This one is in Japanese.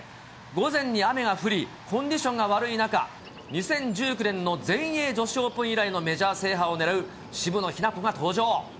午前に雨が降り、コンディションが悪い中、２０１９年の全英女子オープン以来のメジャー制覇を狙う渋野日向子が登場。